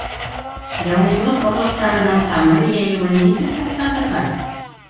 Яуызлыҡ орлоҡтарының тамыр йәйеүен нисек туҡтатырға?